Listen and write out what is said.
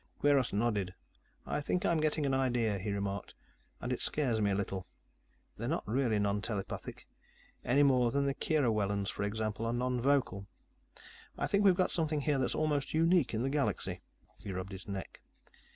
Kweiros nodded. "I think I'm getting an idea," he remarked. "And it scares me a little. They're not really nontelepathic, any more than the Kierawelans, for example, are nonvocal. I think we've got something here that's almost unique in the galaxy." He rubbed his neck.